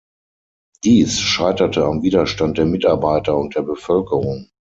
Dies scheiterte am Widerstand der Mitarbeiter und der Bevölkerung.